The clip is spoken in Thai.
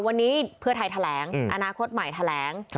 วันนี้เพื่อไทยแถลงอนาคตใหม่แถลง